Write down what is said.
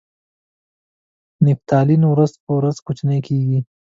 نفتالین ورځ په ورځ کوچنۍ کیږي.